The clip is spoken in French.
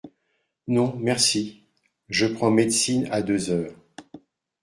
Non, merci, je prends médecine à deux heures.